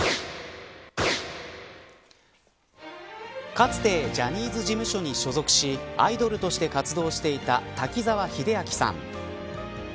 かつてジャニーズ事務所に所属しアイドルとして活動していた滝沢秀明さん。